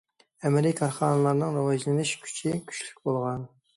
ئەمەلىي كارخانىلارنىڭ راۋاجلىنىش كۈچى كۈچلۈك بولغان.